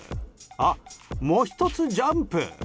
あっ、もひとつジャンプ。